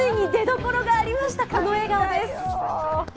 この笑顔です。